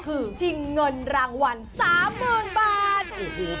คือชิงเงินรางวัล๓๐๐๐บาท